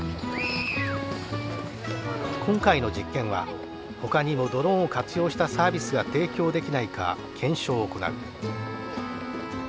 今回の実験はほかにもドローンを活用したサービスが提供できないか検証を行う。